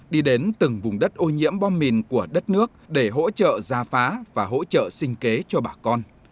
đi đến từng vùng đất ô nhiễm bom mìn của đất nước để hỗ trợ gia phá và hỗ trợ sinh kế cho bà con